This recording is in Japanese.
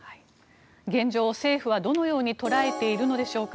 現状を政府はどのように捉えているのでしょうか。